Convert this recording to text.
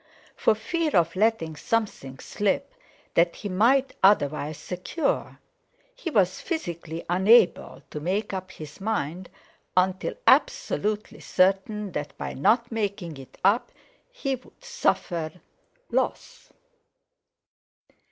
For fear of letting something slip that he might otherwise secure, he was physically unable to make up his mind until absolutely certain that, by not making it up, he would suffer loss.